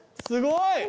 すごい！